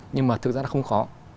nhưng mà thực ra nó không khó